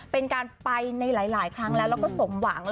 เป็นการไปในหลายครั้งแล้วแล้วก็สมหวัง